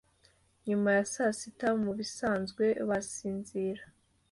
Nyuma ya sasita, mubisanzwe basinzira.